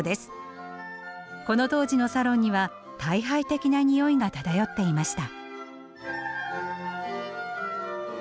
この当時のサロンには退廃的なにおいが漂っていました。